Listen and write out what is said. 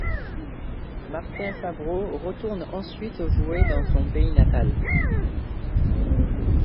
Martín Fabro retoune ensuite jouer dans son pays natal.